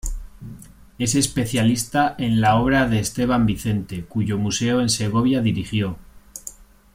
Es especialista en la obra de Esteban Vicente, cuyo museo en Segovia dirigió.